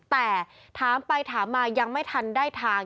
แต่ถามไปถามมายังไม่ทันได้ทาง